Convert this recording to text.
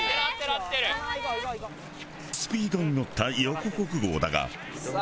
スピードにのった横国号だが。